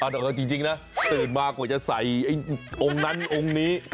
แต่เอาจริงนะตื่นมากว่าจะใส่องค์นั้นองค์นี้